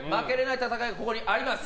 負けられない戦いがここにあります。